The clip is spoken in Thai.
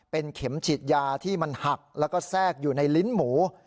เป็นเข็มฉีดยาที่มันหักแล้วก็แทรกอยู่ในลิ้นหมู